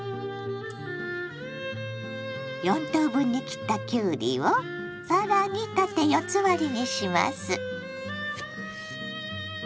４等分に切ったきゅうりを更に縦４つ割りにします。